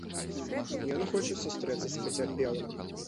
Ён хоча сустрэцца з пацярпелым.